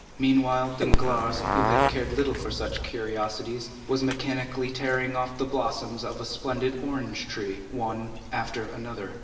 Meanwhile, Danglars, who had cared little for curiosities, was mechanically tearing off the blossoms of a splendid orange tree, one after another.